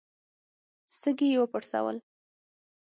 سږي يې وپړسول.